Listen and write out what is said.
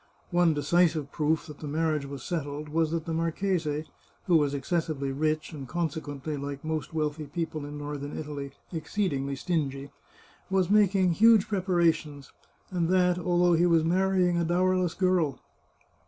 One decisive proof that the marriage was settled was that the marchese, who was excessively rich, and consequently, like most wealthy people in northern Italy, exceedingly stingy, was making huge preparations — and that, although he was marrying a dower less girl.